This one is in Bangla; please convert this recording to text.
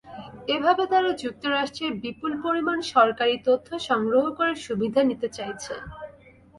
এভাবে তারা যুক্তরাষ্ট্রের বিপুল পরিমাণ সরকারি তথ্য সংগ্রহ করে সুবিধা নিতে চাইছে।